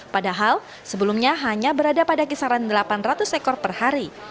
padahal sebelumnya hanya berada pada kisaran delapan ratus ekor per hari